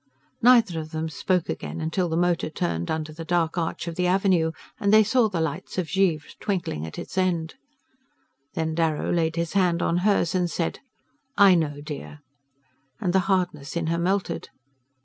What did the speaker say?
Neither of them spoke again till the motor turned under the dark arch of the avenue, and they saw the lights of Givre twinkling at its end. Then Darrow laid his hand on hers and said: "I know, dear " and the hardness in her melted.